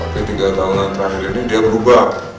tapi tiga tahun yang terakhir ini dia berubah